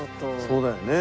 そうだよね。